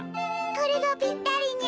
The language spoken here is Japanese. これがぴったりにゃ。